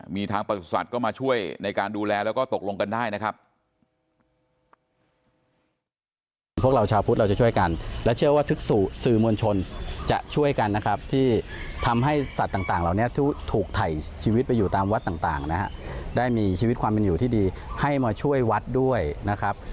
มีทางประสุทธิ์ก็มาช่วยในการดูแลแล้วก็ตกลงกันได้นะครับ